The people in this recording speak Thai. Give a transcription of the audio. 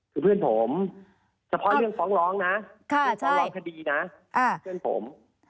คือเพื่อนผมเฉพาะเรื่องฟ้องร้องนะฟ้องร้องคดีนะเพื่อนผม